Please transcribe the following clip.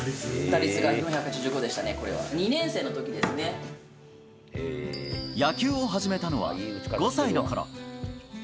打率が４８５でしたね、野球を始めたのは５歳のころ。